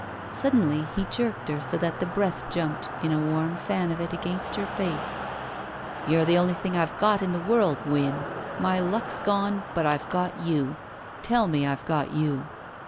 Suddenly he jerked her so that the breath jumped in a warm fan of it against her face. "You're the only thing I've got in the world. Win. My luck's gone, but I've got you. Tell me I've got you."